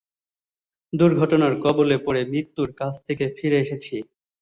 দূর্ঘটনার কবলে পড়ে মৃত্যুর কাছ থেকে ফিরে এসেছি।